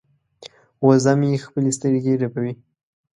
وزه مې خپلې سترګې رپوي.